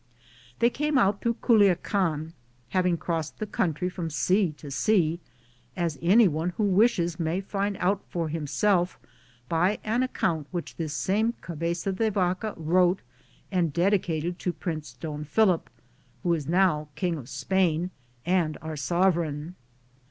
They came out through Culiacan, having crossed the country from sea to sea, as anyone who wishes may find out for him self by an account which this same Cabeza de Vaca wrote and dedicated to Prince Don Philip, who is now King of Spain and our sovereign.'